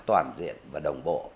toàn diện và đồng bộ